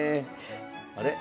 あれ？